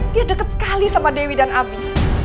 dia dekat sekali sama dewi dan abi